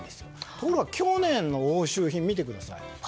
ところが去年の押収品を見てください。